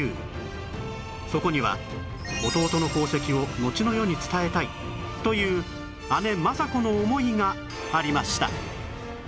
そこには弟の功績をのちの世に伝えたいという姉政子の思いがありました